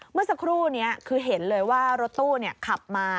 เมื่อสักครู่นี้คือเห็นเลยว่ารถตู้ขับมา